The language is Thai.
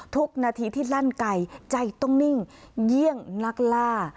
ทุกนาทีที่ลั่นไก่ใจต้องนิ่งเยี่ยงลักล่า